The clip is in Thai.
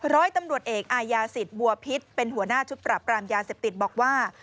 ร้อยตำรวจเอกอายาศิษย์บัวพิษเป็นหัวหน้าชุดปรับปรามยาเสพติดบอกว่า